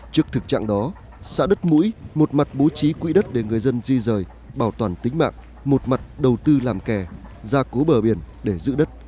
trước thực trạng đó xã đất mũi một mặt bố trí quỹ đất để người dân di rời bảo toàn tính mạng một mặt đầu tư làm kè gia cố bờ biển để giữ đất